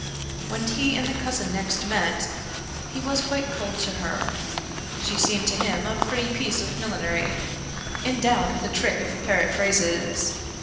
When he and the cousin next met, he was quite cold to her. She seemed to him a pretty piece of millinery, endowed with a trick of parrot phrases.